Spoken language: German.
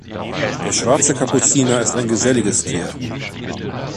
Der schwarze Kapuziner ist ein geselliges Tier.